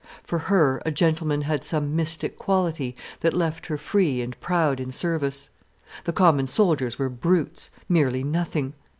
For her, a gentleman had some mystic quality that left her free and proud in service. The common soldiers were brutes, merely nothing.